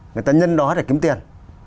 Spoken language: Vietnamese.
người ta nhân đó để kiếm tiền